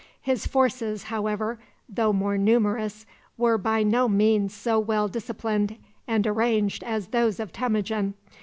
His forces, however, though more numerous, were by no means so well disciplined and arranged as those of Temujin.